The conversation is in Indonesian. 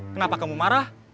kenapa kamu marah